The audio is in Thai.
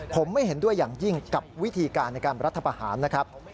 ผมไม่เห็นด้วยอย่างยิ่งกับวิธีการในการรัฐประหารนะครับ